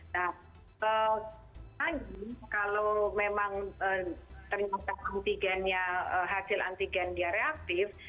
nah kalau memang ternyata antigennya hasil antigen dia reaktif